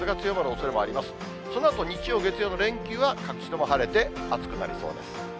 そのあと日曜、月曜の連休は各地とも晴れて暑くなりそうです。